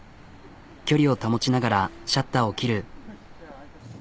距離を保ちながらシャッターを切る。